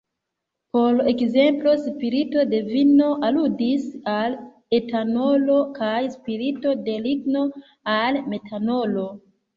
Por ekzemplo "spirito de vino" aludis al etanolo, kaj "spirito de ligno" al metanolo.